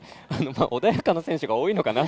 穏やかな選手が多いのかな。